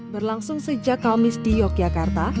berlangsung sejak kamis di yogyakarta